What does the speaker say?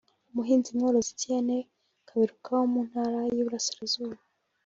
umuhinzi mworozi Etienne Kaberuka wo mu Ntara y'Iburasirazuba